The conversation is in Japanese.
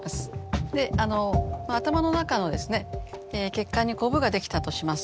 であの頭の中の血管にこぶができたとします。